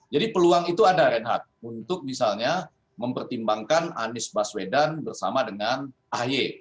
jadi peluang itu ada renhad untuk misalnya mempertimbangkan anies baswedan bersama dengan ahae